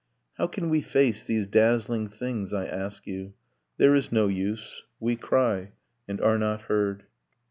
How can we face these dazzling things, I ask you? There is no use: we cry: and are not heard.